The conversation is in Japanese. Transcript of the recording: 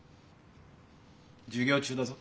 授業中だぞ。